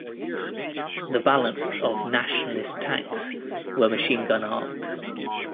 The balance of "Nationalist" tanks were machine gun armed.